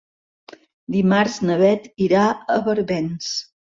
Dimarts na Bet irà a Barbens.